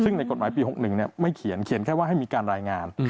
ซึ่งในกฎหมายปี๖๑ไม่เขียนเขียนแค่ว่าให้มีการรายงาน